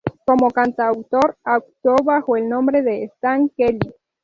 Como cantautor, actuó bajo el nombre de Stan Kelly.